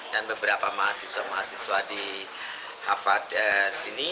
dan beberapa mahasiswa mahasiswa di havadah sini